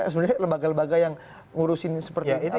sebenarnya lembaga lembaga yang ngurusin seperti ini